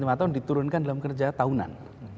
lari dari lima tahun diturunkan dalam kerja tahunan